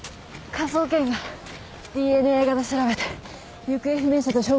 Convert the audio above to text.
科捜研がＤＮＡ型調べて行方不明者と照合してるから。